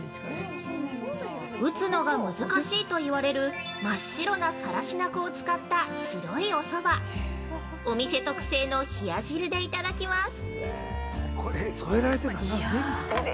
◆打つのが難しいと言われる真っ白な更科粉を使った白いお蕎麦お店特製の冷や汁でいただきます